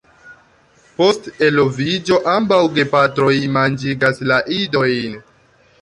Post eloviĝo ambaŭ gepatroj manĝigas la idojn.